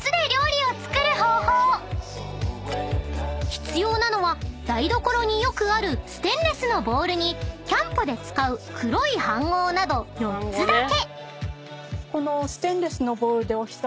［必要なのは台所によくあるステンレスのボウルにキャンプで使う黒い飯ごうなど４つだけ］